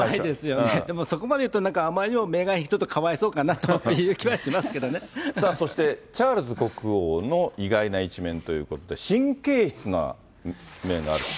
でもそこまで言うと、なんかあまりにもメーガン妃かわいそうかなという気はしますけどそして、チャールズ国王の意外な一面ということで、神経質な面があると。